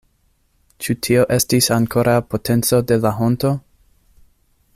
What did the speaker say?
Ĉu tio estis ankoraŭ potenco de la honto?